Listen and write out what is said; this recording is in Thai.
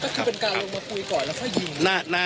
ก็คือเป็นการลงมาคุยก่อนแล้วก็ยืน